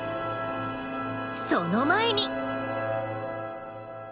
その前に。